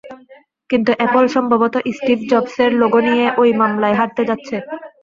কিন্তু অ্যাপল সম্ভবত স্টিভ জবসের লোগো নিয়ে ওই মামলায় হারতে যাচ্ছে।